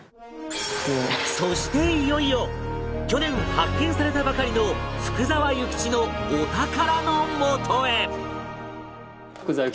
そしていよいよ去年発見されたばかりの福沢諭吉のお宝のもとへ